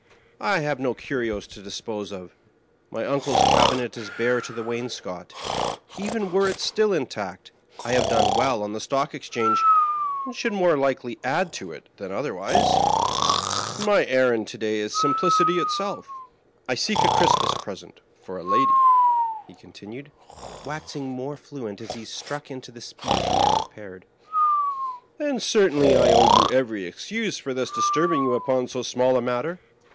I. have no curios to dispose of; my uncle's cabinet is bare to the wainscot; even were it still intact, I have done well on the Stock Ex change, and should more likely add to it than otherwise, and my errand to day is simplicity itself. I seek a Christmas present for a lady," he continued, waxing more fluent as he struck into the speech he had pre pared ;" and certainly I owe you every excuse for thus disturbing you upon so small a matter.